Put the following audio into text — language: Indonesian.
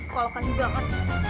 kau akan digangat